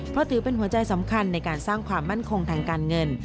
เพราะถือเป็นหัวใจสำคัญในการสร้างความมั่นคงทางการเงิน